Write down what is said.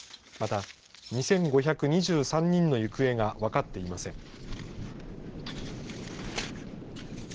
また２５２３人の行方が分かっていません。